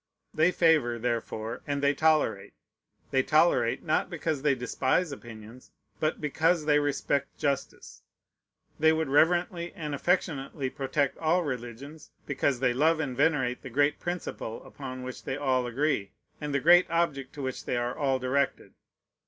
They favor, therefore, and they tolerate. They tolerate, not because they despise opinions, but because they respect justice. They would reverently and affectionately protect all religions, because they love and venerate the great principle upon which they all agree, and the great object to which they are all directed.